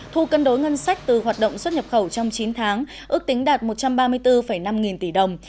thu cân đối ngân sách từ hoạt động xuất nhập khẩu trong chín tháng ước tính đạt một trăm ba mươi bốn năm nghìn tỷ đồng